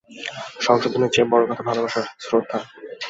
সংশোধনের চেয়েও বড়ো কথা ভালোবাসা, শ্রদ্ধা।